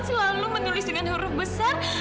selalu menulis dengan huruf besar